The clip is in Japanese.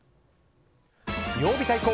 曜日対抗！